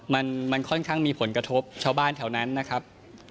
มันมันค่อนข้างมีผลกระทบชาวบ้านแถวนั้นนะครับ